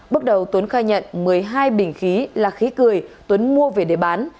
bước đầu tuấn khai nhận một mươi hai bình khí là khí cười tuấn mua về để bán